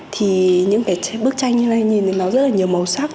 thì những cái bức tranh như này nhìn thì nó rất là nhiều màu sắc